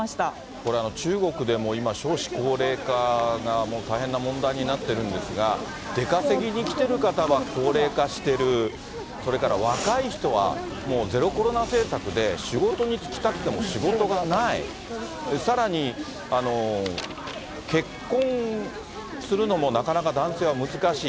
これ、中国でも今少子高齢化が大変な問題になってるんですが、出稼ぎに来ている方は高齢化してる、それから、若い人はもうゼロコロナ政策で仕事に就きたくても仕事がない、さらに結婚するのもなかなか男性は難しい。